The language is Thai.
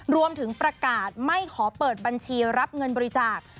รวมถึงประกาศไม่ขอเปิดบัญชีรับเงินบริจาค